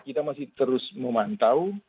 kita masih terus memantau